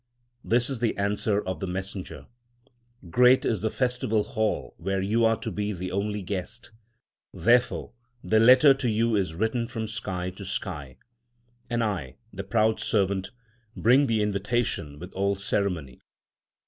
This is the answer of the messenger: Great is the festival hall where you are to be the only guest. Therefore the letter to you is written from sky to sky, And I, the proud servant, bring the invitation with all ceremony.